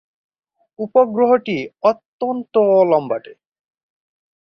উপগ্রহটি অত্যন্ত লম্বাটে।